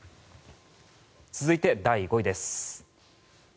続いて、第５位です。